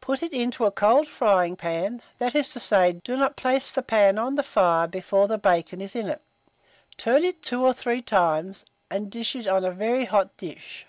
Put it into a cold frying pan, that is to say, do not place the pan on the fire before the bacon is in it. Turn it 2 or 3 times, and dish it on a very hot dish.